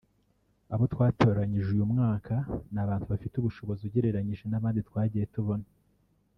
abo twatoranyije uyu mwaka ni abantu bafite ubushobozi ugeranyije n’abandi twagiye tubona